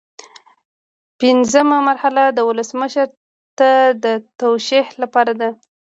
پنځمه مرحله ولسمشر ته د توشیح لپاره ده.